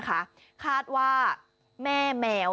คาดว่าแม่แมว